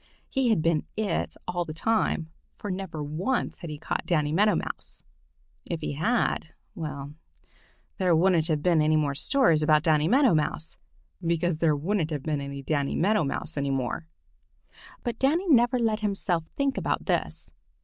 He had been "it" all the time, for never once had he caught Danny Meadow Mouse. If he had—well, there wouldn't have been any more stories about Danny Meadow Mouse, because there wouldn't have been any Danny Meadow Mouse any more. But Danny never let himself think about this.